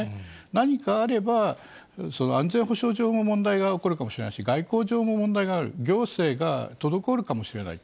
何かあれば、安全保障上の問題が起こるかもしれないし、外交上も問題がある、行政が滞るかもしれない。